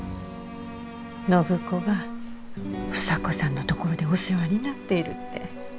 暢子が房子さんの所でお世話になっているって。